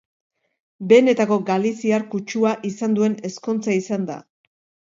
Benetako galiziar kutsua izan duen ezkontza izan da.